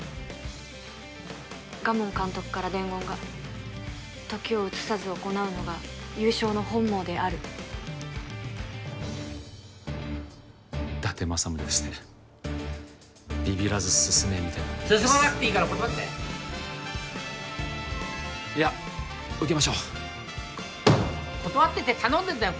賀門監督から伝言が時を移さず行うのが勇将の本望である伊達政宗ですねビビらず進めみたいな意味です進まなくていいから断っていや受けましょう断ってって頼んでんだよ